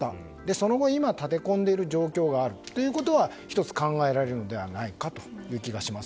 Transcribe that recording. その後、今立て込んでいる状況があるということが１つ考えられるのではないかという気がします。